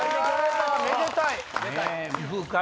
めでたい！